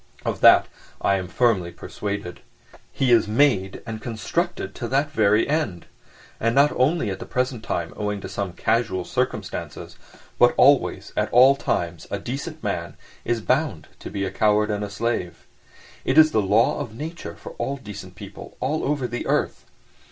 Of that I am firmly persuaded. He is made and constructed to that very end. And not only at the present time owing to some casual circumstances, but always, at all times, a decent man is bound to be a coward and a slave. It is the law of nature for all decent people all over the earth.